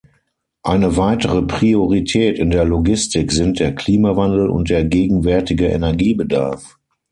Eine weitere Priorität in der Logistik sind der Klimawandel und der gegenwärtige Energiebedarf.